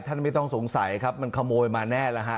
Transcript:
ไม่ต้องสงสัยครับมันขโมยมาแน่แล้วฮะ